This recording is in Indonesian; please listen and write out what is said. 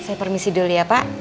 saya permisi dulu ya pak